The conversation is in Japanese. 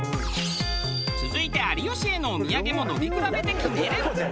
続いて有吉へのお土産も飲み比べて決める。